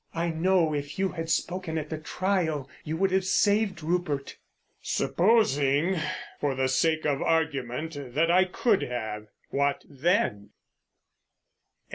"I know if you had spoken at the trial you would have saved Rupert." "Supposing for the sake of argument that I could have. What then?"